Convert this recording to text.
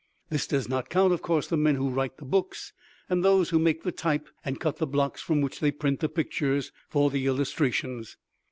This does not count, of course, the men who write the books, and those who make the type and cut the blocks from which they print the pictures for the illustrations.